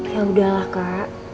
ya udahlah kak